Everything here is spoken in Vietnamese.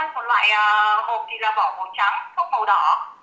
một loại hộp tisa bỏ màu trắng hộp màu đỏ